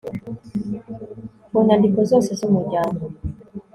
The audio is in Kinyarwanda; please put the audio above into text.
kunyandiko zose z umuryango